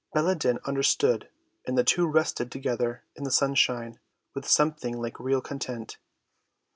Baladan understood, and the two rested together in the sunshine with something like real content.